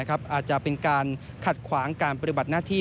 อาจจะเป็นการขัดขวางการปฏิบัติหน้าที่